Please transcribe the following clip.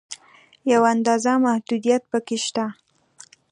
یوه اندازه محدودیت په کې شته.